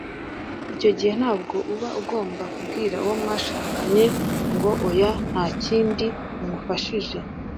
Icyo gihe ntabwo uba ugomba kubwira uwo mwashakanye ngo ‘oya’ nta kindi umufashije